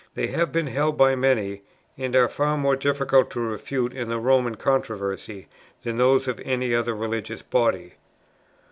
] "They have been held by many, and are far more difficult to refute in the Roman controversy, than those of any other religious body.